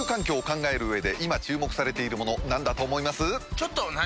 ちょっと何？